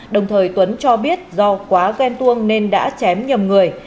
đồng thời tuấn cho biết do quá ghen tuông nên đã chém nhầm người